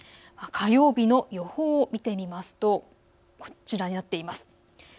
火曜日の予報を見てみますとこちらになっています。